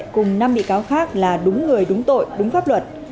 cùng năm bị cáo khác là đúng người đúng tội đúng pháp luật